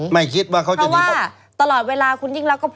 พอว่าตลอดเวลาคุณยิ่งรัก